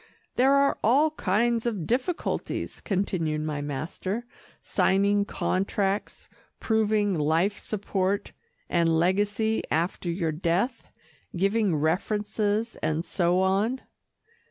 "There are all kinds of difficulties," continued my master, "signing contracts, proving life support and legacy after your death, giving references and so on."